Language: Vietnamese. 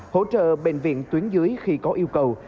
hỗ trợ bệnh viện tuyến dưới khi có yêu cầu